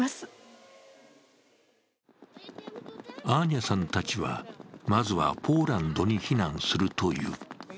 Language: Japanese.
アーニャさんたちは、まずはポーランドに避難するという。